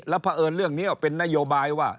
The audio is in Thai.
เพราะเอิญเรื่องนี้เป็นนโยบายว่า